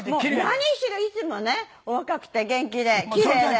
何しろいつもねお若くて元気で奇麗で。